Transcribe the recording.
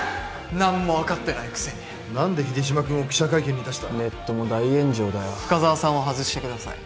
何も分かってないくせに何で秀島くんを記者会見に出したネットも大炎上だよ深沢さんを外してください